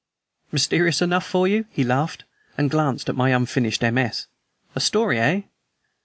"Mysterious enough for you?" he laughed, and glanced at my unfinished MS. "A story, eh?